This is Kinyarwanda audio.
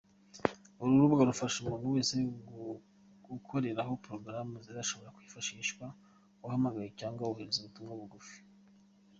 Uru rubuga rufasha umuntu wese gukoreraho porogaramu zishobora kwifashishwa uhamagaye cyangwa wohereza ubutumwa bugufi.